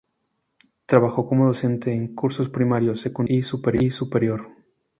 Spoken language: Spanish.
Trabajó como docente en cursos primarios, secundarios y superior.